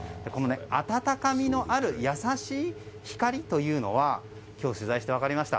温かみのある優しい光というのは今日、取材して分かりました。